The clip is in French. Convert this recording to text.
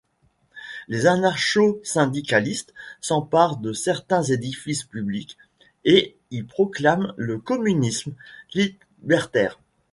Les anarcho-syndicalistes s'emparent de certains édifices publics et y proclament le communisme libertaire.